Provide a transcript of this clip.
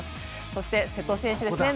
そして、瀬戸選手ですね。